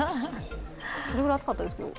それぐらい暑かったですけど。